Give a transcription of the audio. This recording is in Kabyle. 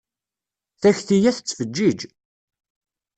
Takti-ya tettfeǧǧiǧ!